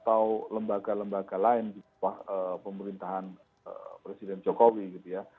atau lembaga lembaga lain di bawah pemerintahan presiden jokowi gitu ya